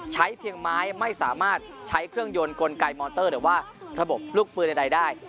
ใช้เพียงไม้ไม่สามารถใช้เครื่องยนต์กลไกมอเตอร์หรือว่าระบบลูกปืนใดได้